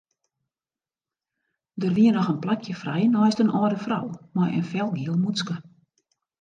Der wie noch in plakje frij neist in âlde frou mei in felgiel mûtske.